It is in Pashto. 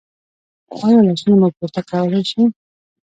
ایا لاسونه مو پورته کولی شئ؟